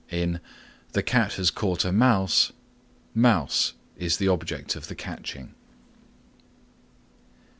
In "The cat has caught a mouse," mouse is the object of the catching.